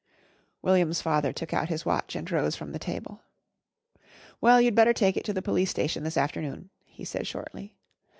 William's father took out his watch and rose from the table. "Well, you'd better take it to the Police Station this afternoon," he said shortly.